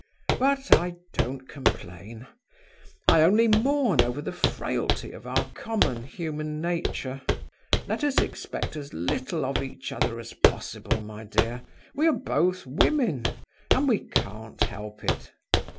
But I don't complain; I only mourn over the frailty of our common human nature. Let us expect as little of each other as possible, my dear; we are both women, and we can't help it.